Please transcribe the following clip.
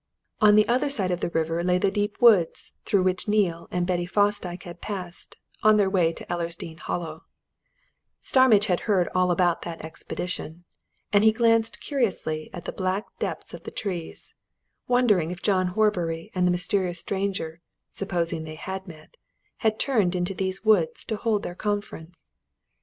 On the other side of the river lay the deep woods through which Neale and Betty Fosdyke had passed on their way to Ellersdeane Hollow: Starmidge had heard all about that expedition, and he glanced curiously at the black depths of the trees, wondering if John Horbury and the mysterious stranger, supposing they had met, had turned into these woods to hold their conference.